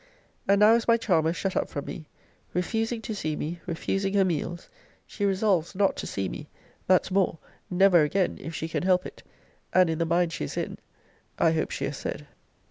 And now is my charmer shut up from me: refusing to see me, refusing her meals. She resolves not to see me; that's more: never again, if she can help it; and in the mind she is in I hope she has said.